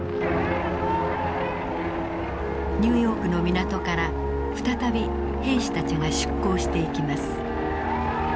ニューヨークの港から再び兵士たちが出港していきます。